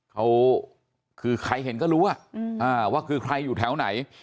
เขาคือใครเห็นก็รู้ว่าคือใครอยู่แถวไหน